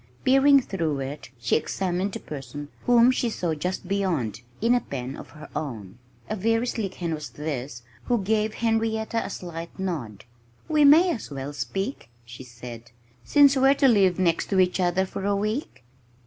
Peering through it, she examined the person whom she saw just beyond, in a pen of her own. A very sleek hen was this, who gave Henrietta a slight nod. "We may as well speak," she said, "since we're to live next to each other for a week."